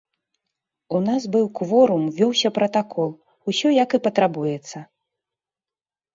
У нас быў кворум, вёўся пратакол, усё як і патрабуецца.